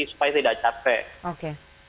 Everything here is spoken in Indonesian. supaya tidak capek